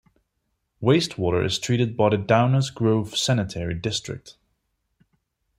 Waste water is treated by the Downers Grove Sanitary District.